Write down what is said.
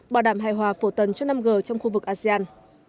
bảo đảm hài hòa phổ tần cho năm g trong khu vực asean